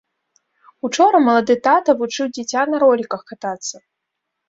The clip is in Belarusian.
Учора малады тата вучыў дзіця на роліках катацца.